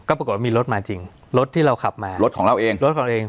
ปรากฏว่ามีรถมาจริงรถที่เราขับมารถของเราเองรถของเราเอง